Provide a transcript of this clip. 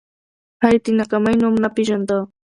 هغې د ناکامۍ نوم نه پېژانده